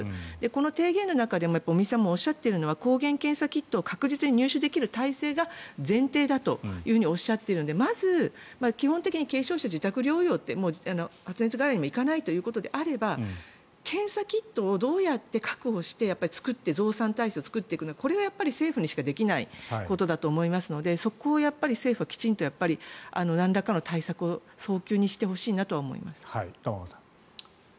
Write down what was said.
この提言の中でも尾身さんもおっしゃっているのは抗原検査キットを確実に入手できる体制が前提だとおっしゃっているのでまず基本的に軽症者、自宅療養者発熱外来にも行かないということであれば検査キットをどうやって確保して増産体制を作っていくのかはこれがやっぱり政府にしかできないことだと思うのでそこは政府はきちんとなんらかの対策を早急にしてほしいなと思います。